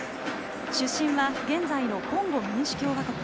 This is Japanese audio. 出身は現在のコンゴ民主共和国。